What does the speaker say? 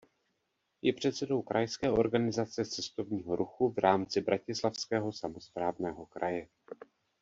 Je předsedou Krajské organizace cestovního ruchu v rámci Bratislavského samosprávného kraje.